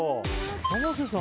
生瀬さん